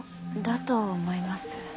だと思います。